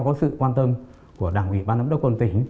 có sự quan tâm của đảng ủy ban ẩm đốc quân tỉnh